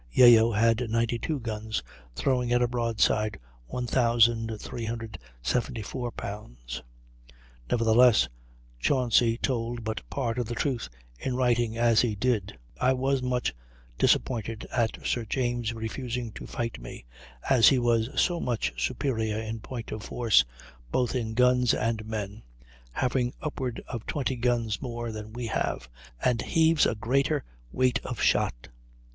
Yeo had 92 guns, throwing at a broadside 1,374 lbs. Nevertheless, Chauncy told but part of the truth in writing as he did: "I was much disappointed at Sir James refusing to fight me, as he was so much superior in point of force, both in guns and men, having upward of 20 guns more than we have, and heaves a greater weight of shot."